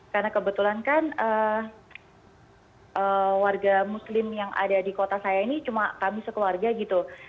karena kebetulan kan warga muslim yang ada di kota saya ini cuma kami sekeluarga gitu